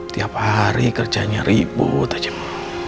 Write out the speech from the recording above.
tiap hari kerjanya ribut aja mau